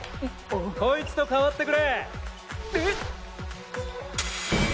こいつと代わってくれ！え！？